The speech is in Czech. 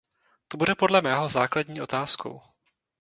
To bude podle mého základní otázkou.